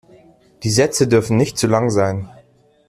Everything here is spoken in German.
Die Sätze dürfen nicht zu lang sein.